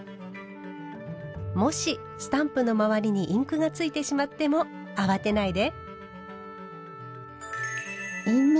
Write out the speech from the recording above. もしスタンプの周りにインクがついてしまっても慌てないで。